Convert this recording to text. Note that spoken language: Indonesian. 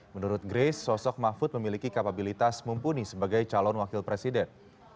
menurut grace sosok mahfud memiliki kapabilitas mumpuni sebagai calon wakil presiden